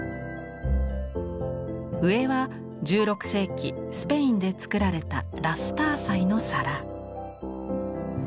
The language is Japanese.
上は１６世紀スペインで作られたラスター彩の皿。